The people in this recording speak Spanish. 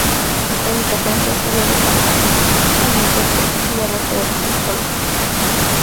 Esta ubicación se ha estudiado como significativamente el proceso de restauración ecológica.